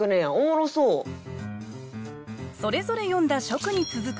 それぞれ詠んだ初句に続く